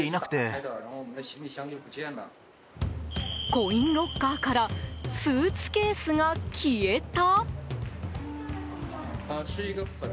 コインロッカーからスーツケースが消えた？